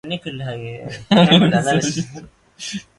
Sixteen years pass, and Eppie grows up to be the pride of the village.